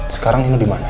sekarang nino dimana